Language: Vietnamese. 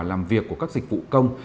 làm việc của các dịch vụ công